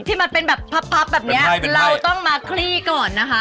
ที่มันเป็นแบบพับแบบนี้เราต้องมาคลี่ก่อนนะคะ